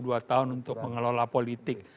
dua tahun untuk mengelola politik